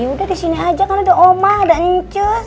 ya udah di sini aja kan udah omah ada ngucus